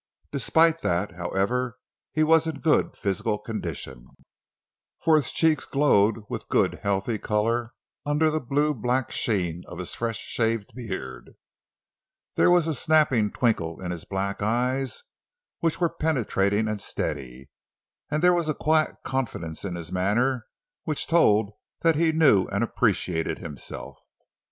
Despite that, however, he was in good physical condition, for his cheeks glowed with good healthy color under the blue black sheen of his fresh shaved beard; there was a snapping twinkle in his black eyes, which were penetrating and steady; and there was a quiet confidence in his manner which told that he knew and appreciated himself.